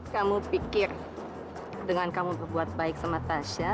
kamu pikir dengan kamu berbuat baik sama tasha